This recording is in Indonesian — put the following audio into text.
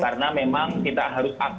karena memang kita harus akibat